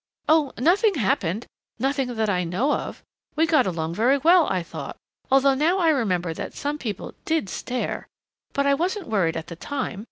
"Oh, nothing happened nothing that I know of. We got along very well, I thought, although now I remember that some people did stare.... But I wasn't worried at the time.